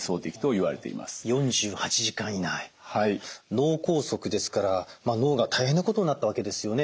脳梗塞ですから脳が大変なことになったわけですよね。